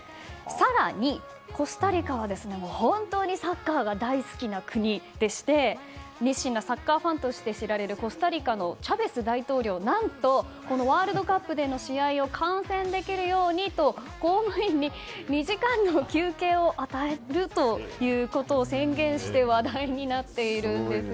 更に、コスタリカは本当にサッカーが大好きな国で熱心なサッカーファンとして知られるコスタリカのチャベス大統領何と、このワールドカップでの試合を観戦できるようにと公務員に２時間の休憩を与えるという宣言して話題になっているんです。